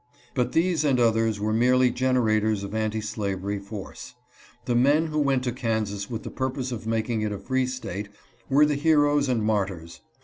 But these and others were merely generators of anti slavery force. The men who went to Kansas with the purpose of making it a free State were the heroes and martyrs.